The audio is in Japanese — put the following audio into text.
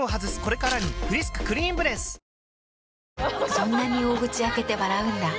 そんなに大口開けて笑うんだ。